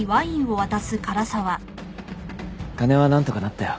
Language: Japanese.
金はなんとかなったよ。